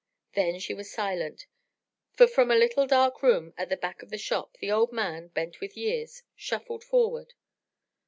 Then she was silent, for from a little dark room at the back of the shop the old man, bent with years, shuffled forward.